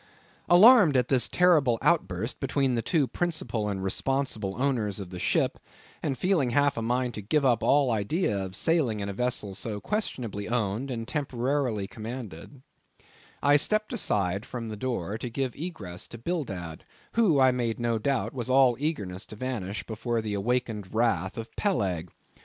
Alarmed at this terrible outburst between the two principal and responsible owners of the ship, and feeling half a mind to give up all idea of sailing in a vessel so questionably owned and temporarily commanded, I stepped aside from the door to give egress to Bildad, who, I made no doubt, was all eagerness to vanish from before the awakened wrath of Peleg.